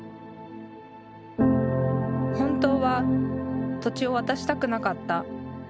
「本当は土地を渡したくなかった」。